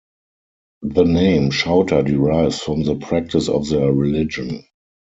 The name "Shouter" derives from the practice of their religion.